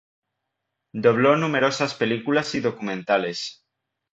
Dobló numerosas películas y documentales.